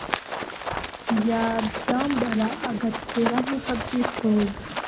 yabyambara agatera nk'uko abyifuza.